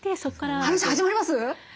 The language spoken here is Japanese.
えっ話始まります？